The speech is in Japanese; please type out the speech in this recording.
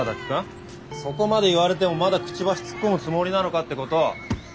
そこまで言われてもまだクチバシ突っ込むつもりなのかってこと。